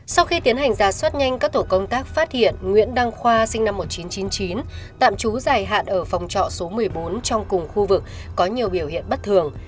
sau khi tiến hành giả soát nhanh các tổ công tác phát hiện nguyễn đăng khoa sinh năm một nghìn chín trăm chín mươi chín tạm trú dài hạn ở phòng trọ số một mươi bốn trong cùng khu vực có nhiều biểu hiện bất thường